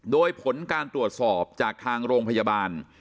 โดยผลการตรวจสอบจากทางโรงพยาบาล